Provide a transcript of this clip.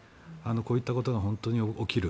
こういったことが本当に起きる。